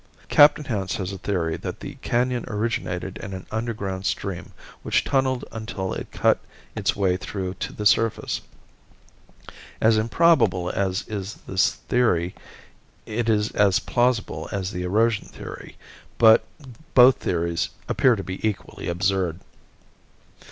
Captain Hance has a theory that the canon originated in an underground stream which tunneled until it cut its way through to the surface. As improbable as is this theory it is as plausible as the erosion theory, but both theories appear to be equally absurd.